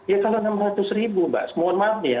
ya kalau rp enam ratus mbak mohon maaf ya